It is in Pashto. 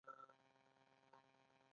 د میوو مصرف په افغانستان کې ډیر دی.